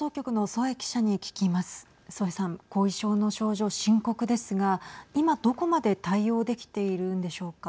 添さん、後遺症の症状深刻ですが今、どこまで対応できているんでしょうか。